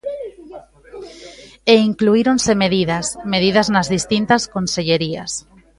E incluíronse medidas, medidas nas distintas consellerías.